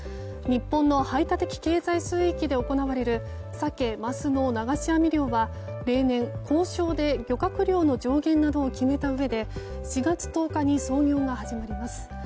日本の排他的経済水域で行われるサケ・マスの流し網漁は例年、交渉で漁獲量の上限などを決めたうえで４月１０日に操業が始まります。